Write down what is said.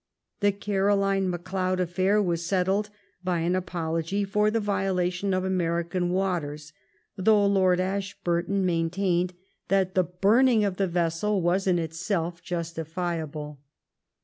The Garoline McLeod affair was settled by an apology for the viola tion of American waters, though Lord Ashburton maintained that the burning of the vessel was in itself justifiable.